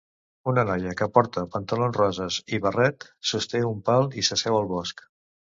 Una noia que porta pantalons roses i barret sosté un pal i s'asseu al bosc.